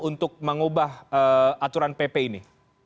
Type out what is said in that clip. untuk mengubah aturan pp ini